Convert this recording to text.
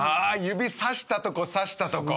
指さしたとこさしたとこ。